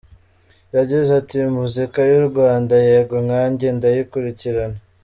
Yagize ati “Muzika y’u Rwanda yego nkanjye ndayikurikirana.